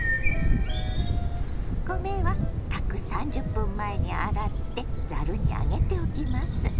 米は炊く３０分前に洗ってざるに上げておきます。